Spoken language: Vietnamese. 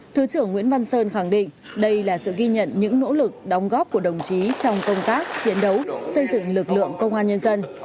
thứ trưởng nguyễn văn sơn khẳng định đây là sự ghi nhận những nỗ lực đóng góp của đồng chí trong công tác chiến đấu xây dựng lực lượng công an nhân dân